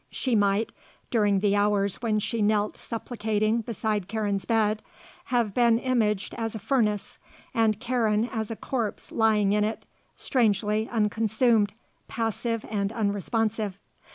She might, during the hours when she knelt supplicating beside Karen's bed, have been imaged as a furnace and Karen as a corpse lying in it, strangely unconsumed, passive and unresponsive.